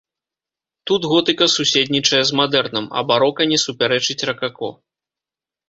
Тут готыка суседнічае з мадэрнам, а барока не супярэчыць ракако.